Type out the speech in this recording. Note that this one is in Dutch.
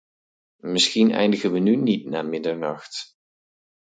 Misschien eindigen we nu niet na middernacht.